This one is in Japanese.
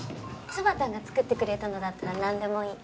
つばたんが作ってくれたのだったらなんでもいい。